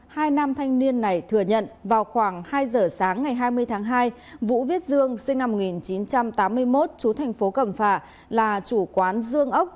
hai nam thanh niên này thừa nhận vào khoảng hai giờ sáng ngày hai mươi tháng hai vũ viết dương sinh năm một nghìn chín trăm tám mươi một chú thành phố cẩm phả là chủ quán dương ốc